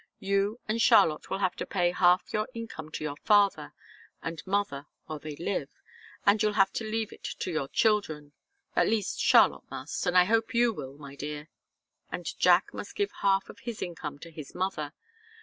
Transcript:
You and Charlotte will have to pay half your income to your father and mother while they live, and you'll have to leave it to your children at least, Charlotte must, and I hope you will, my dear. And Jack must give half of his income to his mother.